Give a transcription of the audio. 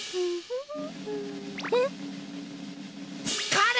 かれ！